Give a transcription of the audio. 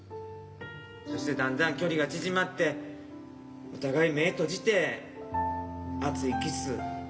そしてだんだん距離が縮まってお互い目閉じて熱いキス。